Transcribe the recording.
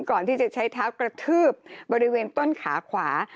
ก่อนที่จะใช้เท้ากระทืบบริเวณต้นขาขวา